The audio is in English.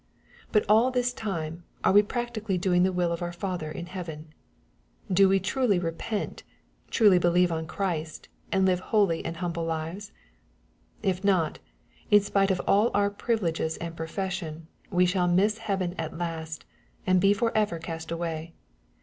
But all this time are we practically doing the will of our Father in heaven ? Do we truly repent, truly believe on Christ, and live holy and humble lives ? If not, in spite of all our privileges and profession, we shall miss heaven at last, and be for ever cast away.